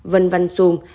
vân văn xung